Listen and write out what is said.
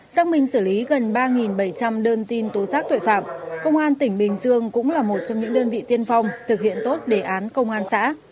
xác minh xử lý gần ba bảy trăm linh đơn tin tố giác tội phạm công an tỉnh bình dương cũng là một trong những đơn vị tiên phong thực hiện tốt đề án công an xã